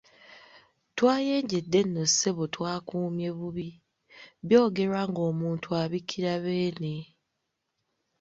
Twayenjedde nno ssebo twakuumye bubi ,byogerwa ng’omuntu abikira Beene.